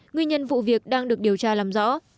nguyên nhân vụ việc đang được điều tra làm rõ